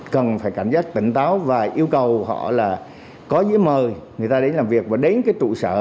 cần phải cảnh giác tỉnh táo và yêu cầu họ là có những mời người ta đến làm việc và đến cái trụ sở